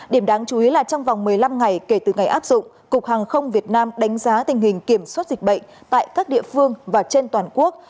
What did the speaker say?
điểm đáng chú ý là trong vòng một mươi năm ngày kể từ ngày áp dụng cục hàng không việt nam đánh giá tình hình kiểm soát dịch bệnh tại các địa phương và trên toàn quốc